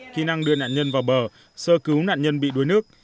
kỹ năng đưa nạn nhân vào bờ sơ cứu nạn nhân bị đuối nước